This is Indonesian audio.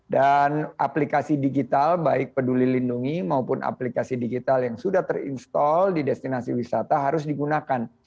dan aplikasi digital baik peduli lindungi maupun aplikasi digital yang sudah terinstall di destinasi wisata harus digunakan